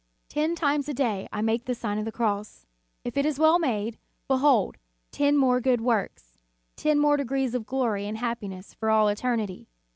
Ten times a day I make the Sign of the Cross. If it is well made, behold ten more good works, ten more degrees of glory and happiness for all eternity.